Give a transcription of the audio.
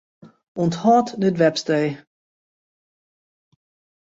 Unthâld dit webstee.